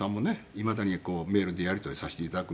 いまだにメールでやり取りさせて頂くんですけど。